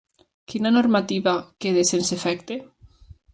Quina normativa queda sense efecte?